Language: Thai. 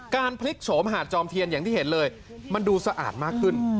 พลิกโฉมหาดจอมเทียนอย่างที่เห็นเลยมันดูสะอาดมากขึ้น